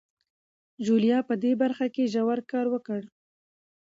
ژوليا په دې برخه کې ژور کار وکړ.